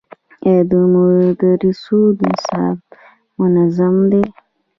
آیا د مدرسو نصاب منظم دی؟